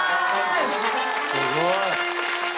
すごい！